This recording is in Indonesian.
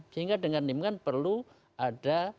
sehingga dengan demikian perlu ada